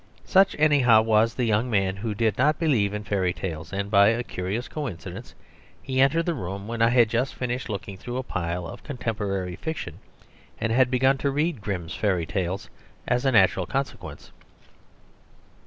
Such, anyhow, was the young man who did not believe in fairy tales; and by a curious coincidence he entered the room when I had just finished looking through a pile of contemporary fiction, and had begun to read "Grimm's Fairy tales" as a natural consequence.